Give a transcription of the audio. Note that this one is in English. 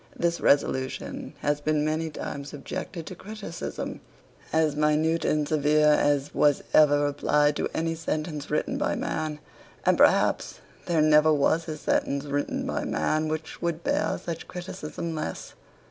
This resolution has been many times subjected to criticism as minute and severe as was ever applied to any sentence written by man, and perhaps there never was a sentence written by man which would bear such criticism less.